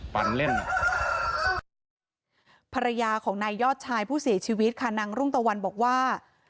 ภรรยาของนายยอดชายผู้เสียชีวิตคานังรุ่งตะวันบอกว่า